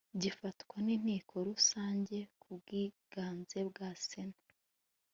gifatwa n inteko rusange ku bwiganze bwa sena